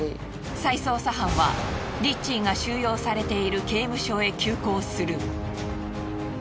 再捜査班はリッチーが収容されている刑務所へ急行する。